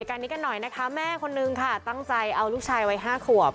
การนี้กันหน่อยนะคะแม่คนนึงค่ะตั้งใจเอาลูกชายวัยห้าขวบ